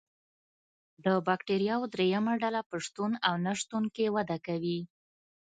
د بکټریاوو دریمه ډله په شتون او نشتون کې وده کوي.